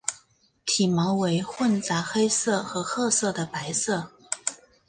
体毛为混杂黑色和褐色的白色。